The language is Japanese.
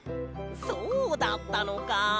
そうだったのか。